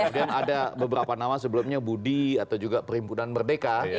dan ada beberapa nama sebelumnya budi atau juga perimpunan merdeka